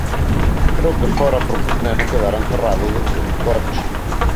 Creo que fora porque un neno quedara encerrado dentro dun coche.